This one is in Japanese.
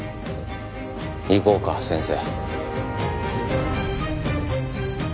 行こうか先生。